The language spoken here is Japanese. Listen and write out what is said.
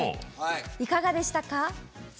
いかがでしたか？